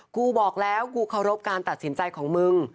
กูบอกแล้วกูเคารพการตัดสินใจของมึง